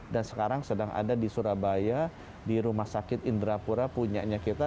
dan sekarang sedang ada di surabaya di rumah sakit indrapura punyanya kita